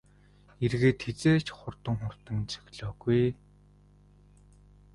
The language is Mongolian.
Эргээд хэзээ ч хурдан хурдан цохилоогүй ээ.